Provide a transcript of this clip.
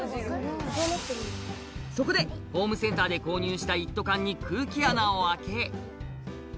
そこで、ホームセンターで購入した一斗缶に空気穴を開け。